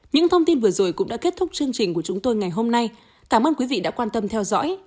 những thông tin vừa rồi cũng đã kết thúc chương trình của chúng tôi ngày hôm nay cảm ơn quý vị đã quan tâm theo dõi